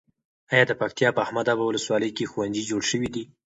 ایا د پکتیا په احمد اباد ولسوالۍ کې ښوونځي جوړ شوي دي؟